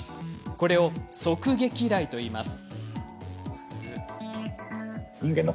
これを側撃雷といいます。